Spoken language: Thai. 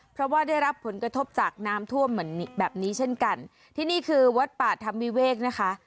เพราะว่าได้รับผลกระทบจากน้ำท่วมเหมือนแบบนี้เช่นกันที่นี่คือวัดป่าธรรมวิเวกนะคะ